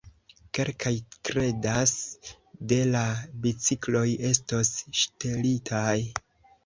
Kelkaj kredas, ke la bicikloj estos ŝtelitaj.